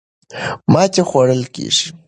ماتې خوړل کېږي.